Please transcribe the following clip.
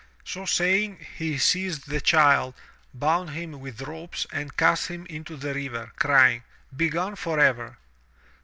*' So saying, he seized the child, bound him with ropes, and cast him into the river, crying, "Begone forever.